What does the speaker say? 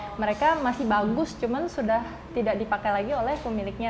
jadi kita bisa mencari barang barang yang masih bagus cuman sudah tidak dipakai lagi oleh pemiliknya